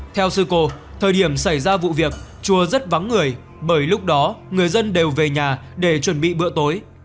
theo sư cô thời điểm xảy ra vụ việc chùa rất vắng người bởi lúc đó người dân đều về nhà để chuẩn bị bữa tối